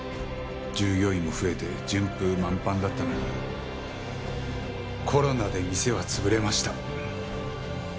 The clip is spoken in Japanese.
従業員も増えて順風満帆だったのにコロナで店は潰れました。